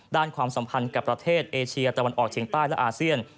ความสัมพันธ์กับประเทศเอเชียตะวันออกเฉียงใต้และอาเซียน